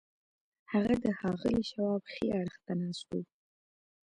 هغه د ښاغلي شواب ښي اړخ ته ناست و